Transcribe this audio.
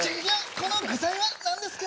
この具材は何ですか？